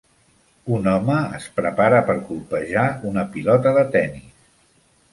Un home es prepara per colpejar una pilota de tennis.